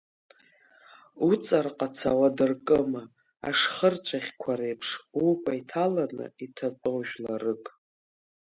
Уҵарҟаца уадыркыма, ашхырцәаӷьқәа реиԥш, укәа иҭаланы иҭатәоу жәларык?